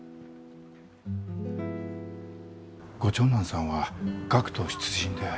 ご長男さんは学徒出陣で？